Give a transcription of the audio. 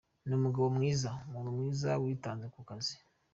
Ni umugabo mwiza; umuntu mwiza witanze ku kazi.